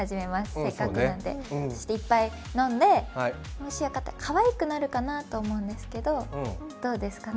せっかくなので、いっぱい飲んでもしよかったらかわいくなるかなと思うんですけどどうですかね。